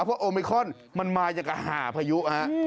เพราะโอมิคอนมันมาอย่างกับหาพายุฮะ